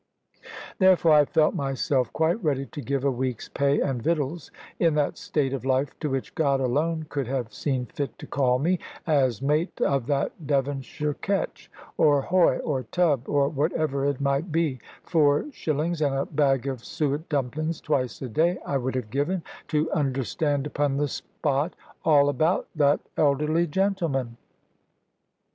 Therefore I felt myself quite ready to give a week's pay and victuals, in that state of life to which God alone could have seen fit to call me as mate of that Devonshire ketch, or hoy, or tub, or whatever it might be four shillings and a bag of suet dumplings, twice a day, I would have given, to understand upon the spot all about that elderly gentleman.